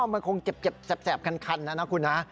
มันคงเก็บแสบคันนะนะคุณนะ